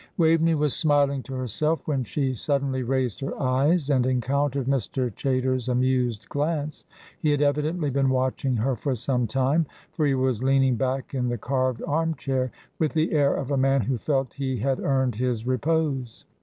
Waveney was smiling to herself, when she suddenly raised her eyes and encountered Mr. Chaytor's amused glance. He had evidently been watching her for some time, for he was leaning back in the carved arm chair, with the air of a man who felt he had earned his repose.